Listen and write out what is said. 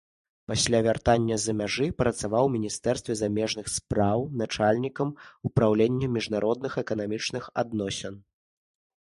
Пасля вяртання з-за мяжы працаваў у міністэрстве замежных спраў начальнікам упраўлення міжнародных эканамічных адносін.